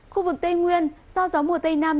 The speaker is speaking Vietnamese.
khu vực tây nguyên do gió mùa tây nam